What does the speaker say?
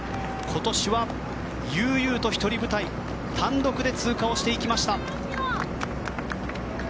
今年は悠々と一人舞台単独で通過していきました。